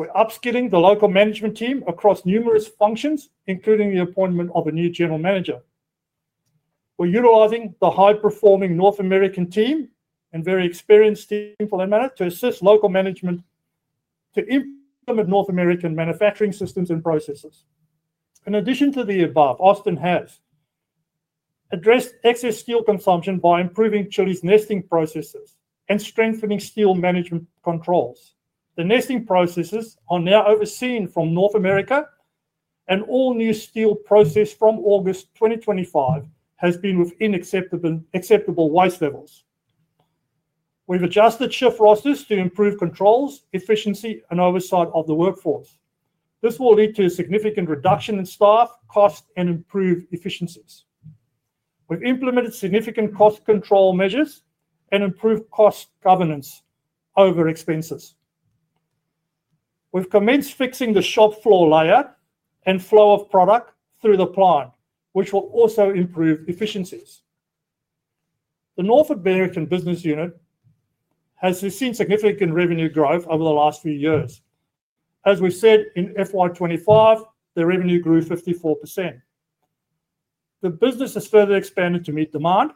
We're upskilling the local management team across numerous functions, including the appointment of a new General Manager. We're utilizing the high-performing North American team and very experienced team for that matter to assist local management to implement North American manufacturing systems and processes. In addition to the above, Austin has addressed excess steel consumption by improving Chile's nesting processes and strengthening steel management controls. The nesting processes are now overseen from North America, and all new steel processed from August 2025 has been within acceptable waste levels. We've adjusted shift rosters to improve controls, efficiency, and oversight of the workforce. This will lead to a significant reduction in staff costs and improved efficiencies. We've implemented significant cost control measures and improved cost governance over expenses. We've commenced fixing the shop floor layout and flow of product through the plant, which will also improve efficiencies. The North American business unit has seen significant revenue growth over the last few years. As we said in FY 2025, the revenue grew 54%. The business has further expanded to meet demand,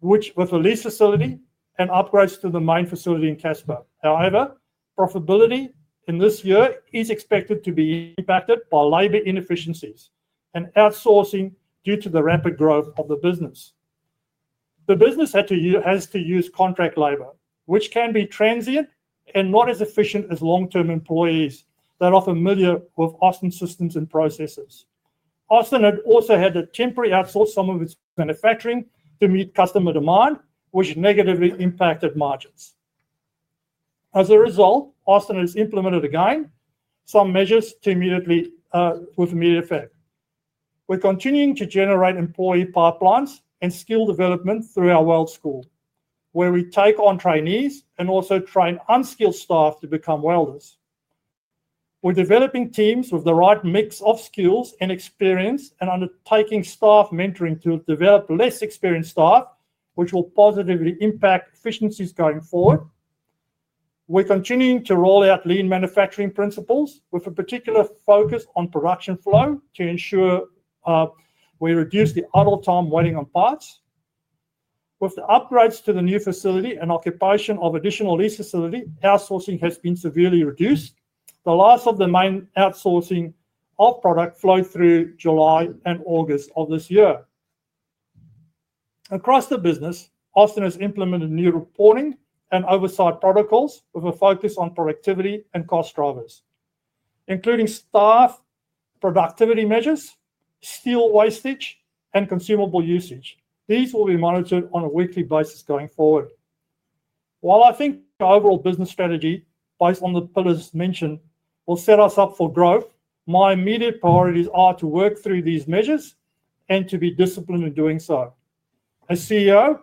which with the lease facility and upgrades to the main facility in Casper. However, profitability in this year is expected to be impacted by labor inefficiencies and outsourcing due to the rapid growth of the business. The business has to use contract labor, which can be transient and not as efficient as long-term employees that are familiar with Austin systems and processes. Austin had also had to temporarily outsource some of its manufacturing to meet customer demand, which negatively impacted margins. As a result, Austin has implemented again some measures with immediate effect. We're continuing to generate employee pipelines and skill development through our weld school, where we take on trainees and also train unskilled staff to become welders. We're developing teams with the right mix of skills and experience and undertaking staff mentoring to develop less experienced staff, which will positively impact efficiencies going forward. We're continuing to roll out lean manufacturing principles with a particular focus on production flow to ensure we reduce the idle time waiting on parts. With the upgrades to the new facility and occupation of additional lease facility, outsourcing has been severely reduced. The last of the main outsourcing of product flowed through July and August of this year. Across the business, Austin has implemented new reporting and oversight protocols with a focus on productivity and cost drivers. Including staff productivity measures, steel wastage, and consumable usage. These will be monitored on a weekly basis going forward. While I think our overall business strategy, based on the pillars mentioned, will set us up for growth, my immediate priorities are to work through these measures and to be disciplined in doing so. As CEO,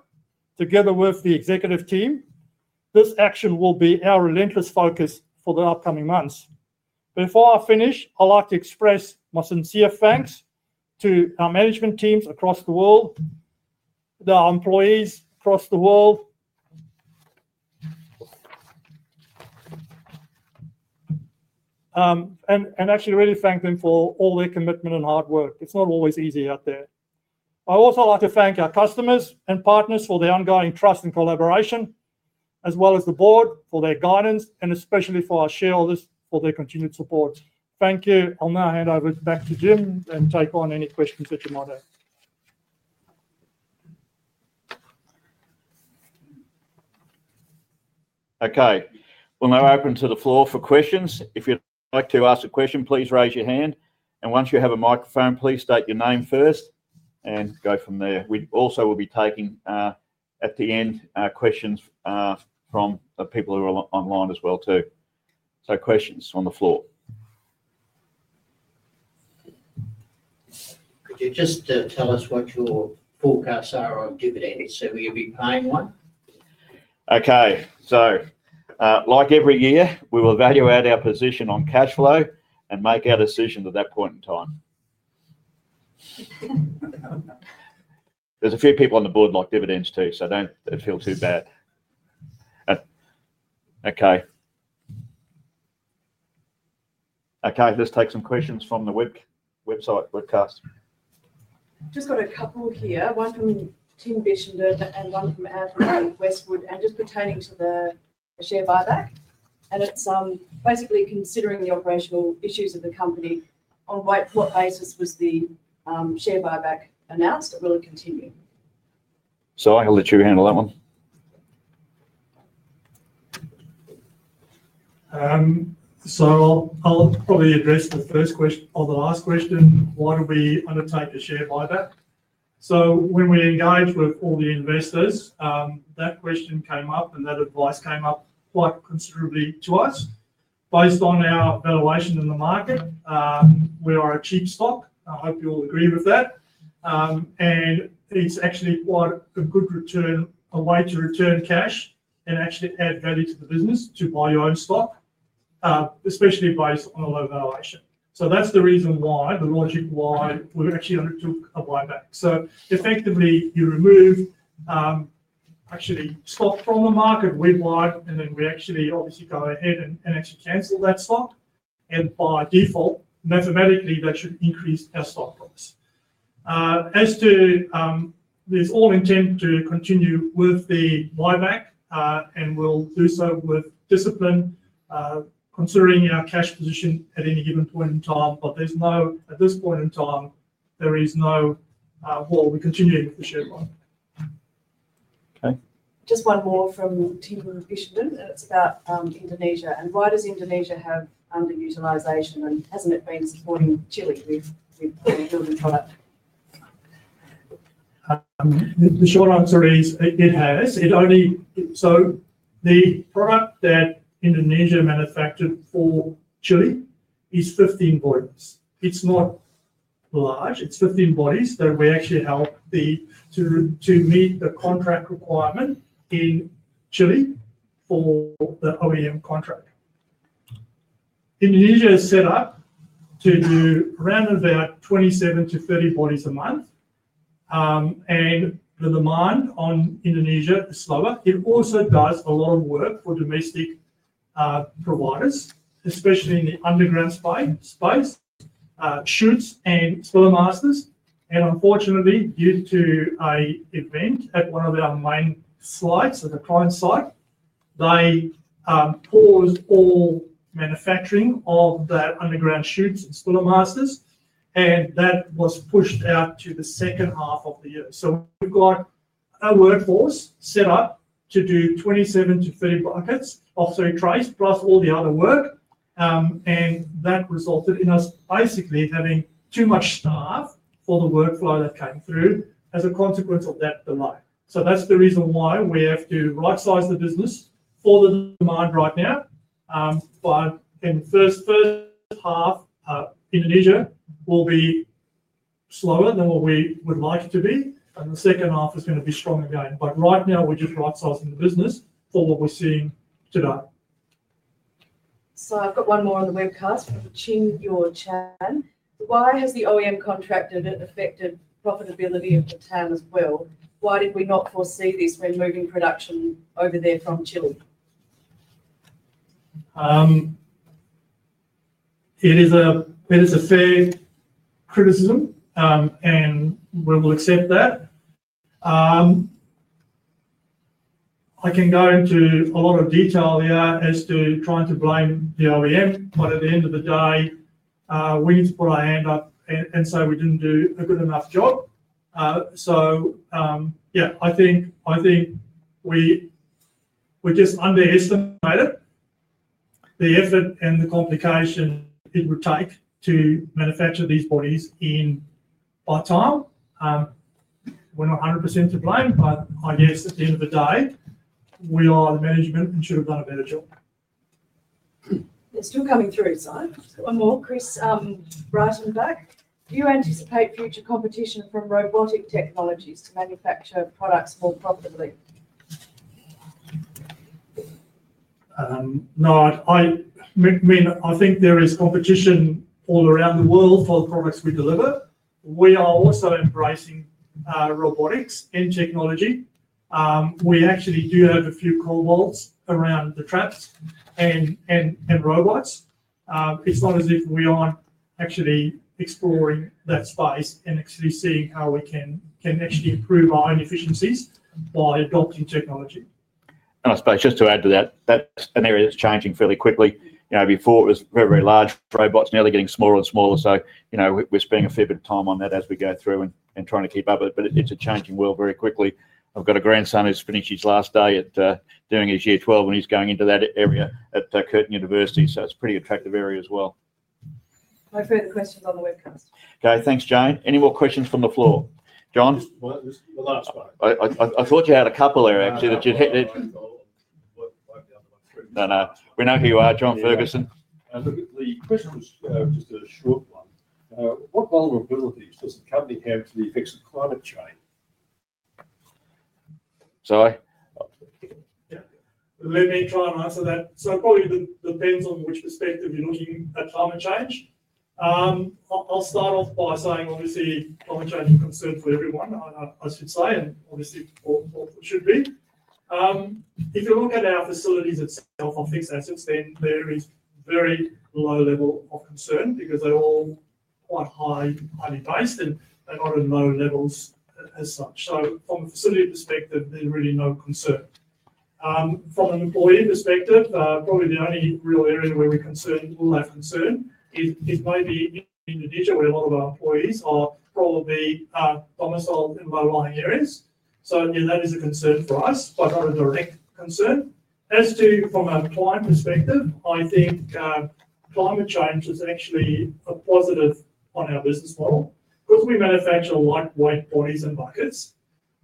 together with the executive team, this action will be our relentless focus for the upcoming months. Before I finish, I'd like to express my sincere thanks to our management teams across the world. Our employees across the world. I actually really thank them for all their commitment and hard work. It's not always easy out there. I also like to thank our customers and partners for their ongoing trust and collaboration, as well as the board for their guidance, and especially our shareholders for their continued support. Thank you. I'll now hand back to Jim and take on any questions that you might have. Okay. We'll now open to the floor for questions. If you'd like to ask a question, please raise your hand. Once you have a microphone, please state your name first and go from there. We also will be taking, at the end, questions from the people who are online as well. Questions on the floor. Could you just tell us what your forecasts are on dividends? Will we be paying one? Okay. Like every year, we will evaluate our position on cash flow and make our decision at that point in time. There are a few people on the board who like dividends too, so do not feel too bad. Okay. Okay. Let's take some questions from the website, webcast. Just got a couple here. One from Tim Bishinder and one from Adrian Westwood, and just pertaining to the share buyback. And it is basically considering the operational issues of the company. On what basis was the share buyback announced? It will continue. I will let you handle that one. I will probably address the first question or the last question. Why do we undertake a share buyback? When we engage with all the investors, that question came up and that advice came up quite considerably to us. Based on our valuation in the market. We are a cheap stock. I hope you all agree with that. It is actually quite a good way to return cash and actually add value to the business to buy your own stock, especially based on a low valuation. That is the reason why, the logic why we actually undertook a buyback. Effectively, you remove stock from the market, we buy, and then we actually obviously go ahead and actually cancel that stock. By default, mathematically, that should increase our stock price. There is all intent to continue with the buyback, and we will do so with discipline, considering our cash position at any given point in time. At this point in time, there is no—while we are continuing with the share buyback. Okay. Just one more from Tim Bishinder, and it is about Indonesia. Why does Indonesia have underutilization, and has it not been supporting Chile with building product? The short answer is it has. The product that Indonesia manufactured for Chile is 15 bodies. It is not large; it is 15 bodies that we actually helped to meet the contract requirement in Chile for the OEM contract. Indonesia is set up to do around 27-30 bodies a month, and the demand on Indonesia is lower. It also does a lot of work for domestic providers, especially in the underground space—chutes and spill masters. Unfortunately, due to an event at one of our main sites, at the client site, they paused all manufacturing of the underground chutes and spill masters, and that was pushed out to the second half of the year. We have a workforce set up to do 27 to 30 buckets of three trays, plus all the other work. That resulted in us basically having too much staff for the workflow that came through as a consequence of that delay. That is the reason why we have to right-size the business for the demand right now. In the first half, Indonesia will be slower than what we would like it to be, and the second half is going to be strong again. Right now, we are just right-sizing the business for what we are seeing today. I have one more on the webcast from Chin Yor Chan. Why has the OEM contract affected profitability of the town as well? Why did we not foresee this when moving production over there from Chile? It is a fair criticism, and we will accept that. I can go into a lot of detail here as to trying to blame the OEM, but at the end of the day, we need to put our hand up and say we didn't do a good enough job. Yeah, I think we just underestimated the effort and the complication it would take to manufacture these bodies in Batam. We're not 100% to blame, but I guess at the end of the day, we are the management and should have done a better job. There's two coming through, so one more, Chris. Writing back. Do you anticipate future competition from robotic technologies to manufacture products more profitably? No. I mean, I think there is competition all around the world for the products we deliver. We are also embracing robotics and technology. We actually do have a few cobots around the traps and robots. It's not as if we aren't actually exploring that space and actually seeing how we can actually improve our own efficiencies by adopting technology. I suppose just to add to that, that's an area that's changing fairly quickly. Before, it was very, very large robots, nearly getting smaller and smaller. We are spending a fair bit of time on that as we go through and trying to keep up with it. It is a changing world very quickly. I've got a grandson who's finished his last day at doing his year 12, and he's going into that area at Curtin University. It is a pretty attractive area as well. No further questions on the webcast. Okay. Thanks, Jane. Any more questions from the floor? John? The last one. I thought you had a couple there, actually. No, no. We know who you are, John Ferguson. Just a short one. What vulnerabilities does the company have to the effects of climate change? Sorry. Let me try and answer that. It probably depends on which perspective you're looking at climate change. I'll start off by saying, obviously, climate change is a concern for everyone, I should say, and obviously should be. If you look at our facilities itself on fixed assets, then there is very low level of concern because they're all quite highly based, and they're not at low levels as such. From a facility perspective, there's really no concern. From an employee perspective, probably the only real area where we're concerned will have concern is maybe in Indonesia, where a lot of our employees are probably domiciled in low-lying areas. Yeah, that is a concern for us, but not a direct concern. As to from a client perspective, I think. Climate change is actually a positive on our business model because we manufacture lightweight bodies and buckets.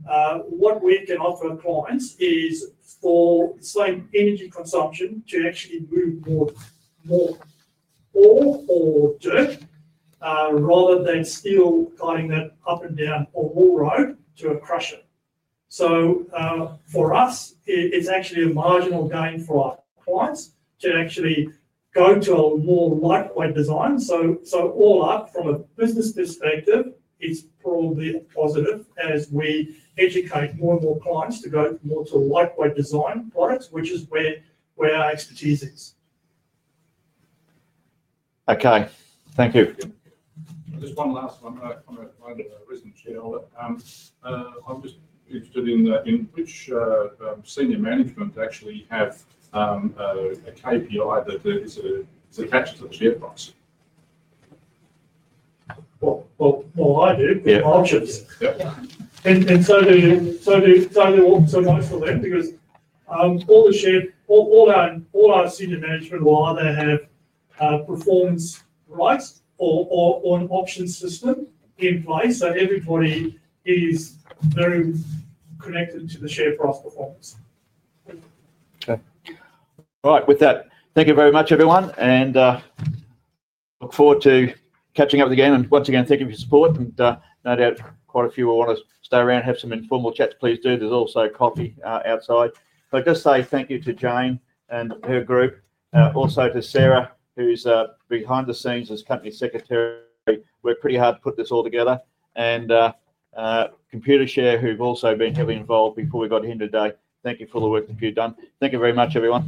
What we can offer clients is for, say, energy consumption to actually move more or dirt, rather than still cutting that up and down a wall road to a crusher. For us, it's actually a marginal gain for our clients to actually go to a more lightweight design. All up, from a business perspective, it's probably a positive as we educate more and more clients to go more to lightweight design products, which is where our expertise is. Okay. Thank you. Just one last one. I'm a resident shareholder. I'm just interested in which senior management actually have a KPI that is attached to the share price. I do. Options. To say the option to most of them because all our senior management, whether they have performance rights or an options system in place, so everybody is very connected to the share price performance. Okay. All right. With that, thank you very much, everyone. I look forward to catching up again. Once again, thank you for your support. No doubt quite a few will want to stay around and have some informal chats. Please do. There is also coffee outside. I just want to say thank you to Jane and her group. Also to Sarah, who is behind the scenes as Company Secretary. Worked pretty hard to put this all together. Computershare, who have also been heavily involved before we got here today, thank you for the work that you have done. Thank you very much, everyone.